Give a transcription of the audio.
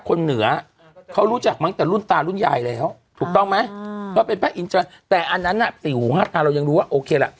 คนชุแต่อะไรนะสี่หูห้าตาเรายังรู้ว่าโอเคล่ะ